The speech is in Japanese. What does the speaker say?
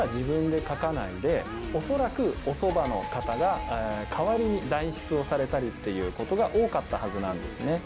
おそらくおそばの方が代わりに代筆をされたりっていうことが多かったはずなんですね。